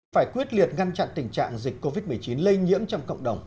phải quyết liệt ngăn chặn tình trạng dịch covid một mươi chín lây nhiễm trong cộng đồng